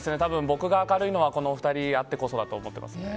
僕が明るいのはこの２人あってこそだと思います。